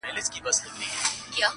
د هغو کسانو په زړونو -